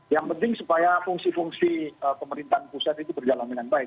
yang penting supaya fungsi fungsi pemerintahan pusat itu berjalan dengan baik